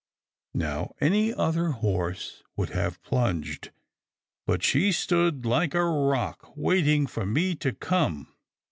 Now any other horse would have plunged, but she stood like a rock, waiting for me to come.